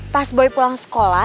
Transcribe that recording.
pas boy pulang sekolah